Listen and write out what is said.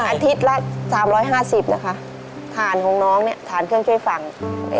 อาทิตย์ละ๓๕๐บาทนะคะฐานของน้องเนี่ยฐานเครื่องช่วยฟัง